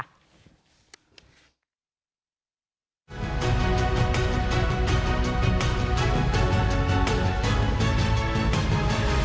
โปรดติดตามตอนต่อไป